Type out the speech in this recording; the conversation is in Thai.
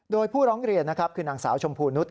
โดยผู้ร้องเรียนนะครับคือนางสาวชมพูนุษย